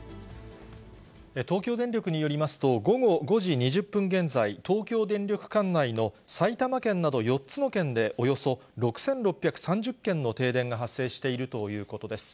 東京電力によりますと、午後５時２０分現在、東京電力管内の埼玉県など４つの県で、およそ６６３０軒の停電が発生しているということです。